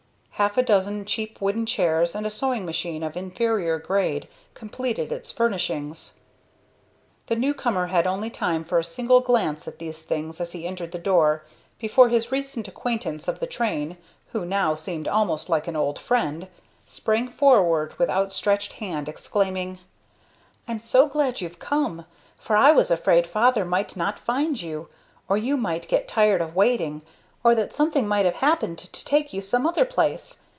Half a dozen cheap wooden chairs and a sewing machine of inferior grade completed its furnishing. The new comer had only time for a single glance at these things as he entered the door, before his recent acquaintance of the train, who now seemed almost like an old friend, sprang forward with outstretched hand, exclaiming: "I'm so glad you've come, for I was afraid father might not find you, or you might get tired of waiting, or that something might have happened to take you some other place.